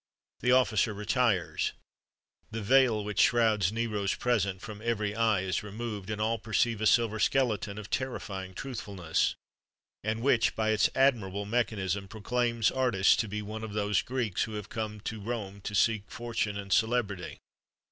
The officer retires. The veil which shrouds Nero's present from every eye is removed, and all perceive a silver skeleton, of terrifying truthfulness, and which, by its admirable mechanism, proclaims artist to be one of those Greeks who have come to Rome to seek fortune and celebrity.